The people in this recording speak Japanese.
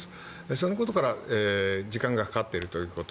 そのことから時間がかかっているということ。